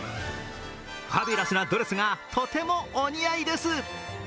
ファビュラスなドレスがとてもお似合いです。